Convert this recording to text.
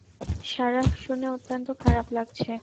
Sarah, শুনে অত্যন্ত খারাপ লাগছে।